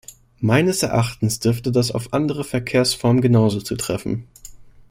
Meines Erachtens dürfte das auf andere Verkehrsformen genauso zutreffen.